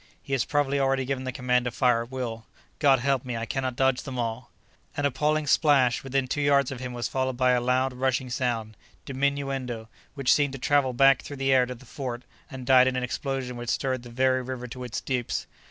He has probably already given the command to fire at will. God help me, I cannot dodge them all!" An appalling splash within two yards of him was followed by a loud, rushing sound, DIMINUENDO, which seemed to travel back through the air to the fort and died in an explosion which stirred the very river to its deeps!